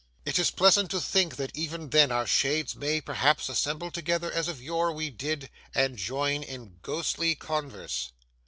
It is pleasant to think that even then our shades may, perhaps, assemble together as of yore we did, and join in ghostly converse.